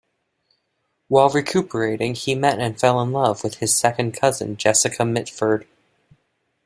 While recuperating, he met and fell in love with his second cousin, Jessica Mitford.